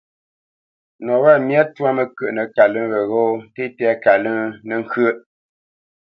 Nɔ̂ wâ myâ ntwá məkyə́ʼnə kalə́ŋ weghó nté tɛ́ kalə́ŋ nə́ ŋkyə́ʼ,